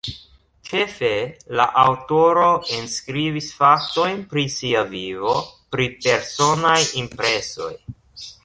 Ĉefe, la aŭtoro enskribis faktojn pri sia vivo, pri personaj impresoj.